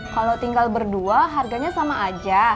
kalau tinggal berdua harganya sama aja